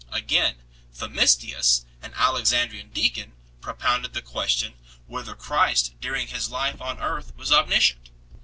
Again, Themistius, an Alexandrian deacon, propounded the question, whether Christ during His life on earth was omniscient.